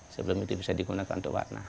sebelum itu bisa digunakan untuk warna